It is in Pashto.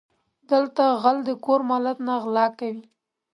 دله غل د کور مالت نه غلا کوي.